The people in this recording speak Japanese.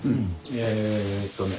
えっとね。